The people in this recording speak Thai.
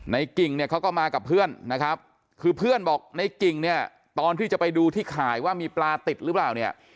กิ่งเนี่ยเขาก็มากับเพื่อนนะครับคือเพื่อนบอกในกิ่งเนี่ยตอนที่จะไปดูที่ข่ายว่ามีปลาติดหรือเปล่าเนี่ย